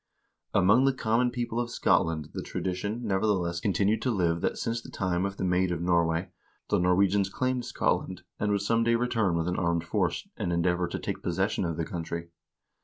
Among the common people of Scotland the tradition, nevertheless, continued to live that since the time of the Maid of Norway, the Norwegians claimed Scotland, and would some day return with an armed force, and endeavor to take possession of the country.